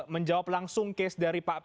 menjawab langsung case dari pak